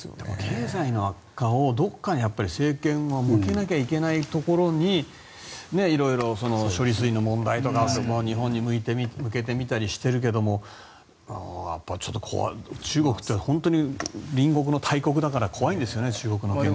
経済の悪化をどこかに政権は向けなきゃいけないところに色々、処理水の問題とか日本に向けてみたりしているけども中国って本当に隣国の大国だから怖いんですよね。